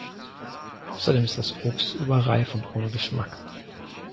Außerdem ist das Obst überreif und ohne Geschmack.